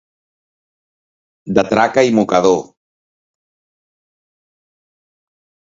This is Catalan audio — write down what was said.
De traca i mocador.